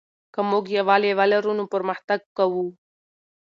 که موږ یووالی ولرو نو پرمختګ کوو.